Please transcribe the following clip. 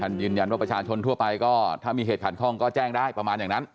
ยืนยันว่าประชาชนทั่วไปก็ถ้ามีเหตุขัดข้องก็แจ้งได้ประมาณอย่างนั้น